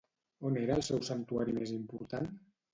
On era el seu santuari més important?